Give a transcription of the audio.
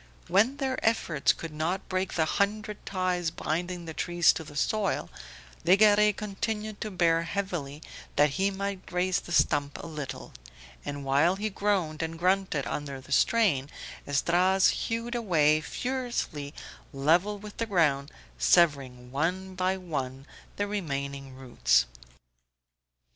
When their efforts could not break the hundred ties binding the tree to the soil Legare continued to bear heavily that he might raise the stump a little, and while he groaned and grunted under the strain Esdras hewed away furiously level with the ground, severing one by one the remaining roots.